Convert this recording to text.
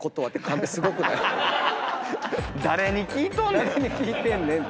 誰に聞いとんねん！